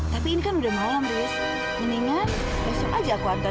tapi ini kan udah malam haris mendingan langsung aja aku antarin